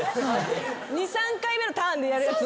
２３回目のターンでやるやつ。